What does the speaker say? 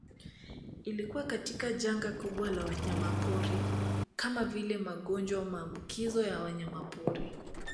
Ilikuwa katika janga kubwa la wanyamapori kama vile magonjwa maambukizo ya wanyamapori